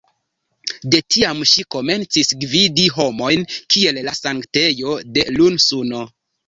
De tiam ŝi komencis gvidi homojn kiel la sanktejo de "Lun-Suno".